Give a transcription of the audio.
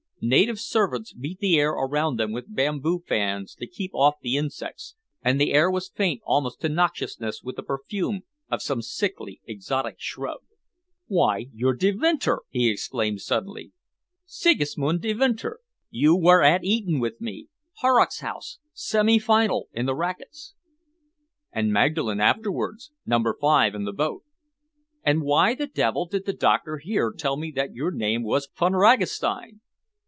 Native servants beat the air around them with bamboo fans to keep off the insects, and the air was faint almost to noxiousness with the perfume of some sickly, exotic shrub. "Why, you're Devinter!" he exclaimed suddenly, "Sigismund Devinter! You were at Eton with me Horrock's House semi final in the racquets." "And Magdalen afterwards, number five in the boat." "And why the devil did the doctor here tell me that your name was Von Ragastein?"